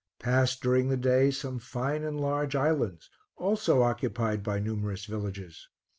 Passed, during the day, some fine and large islands, also occupied by numerous villages.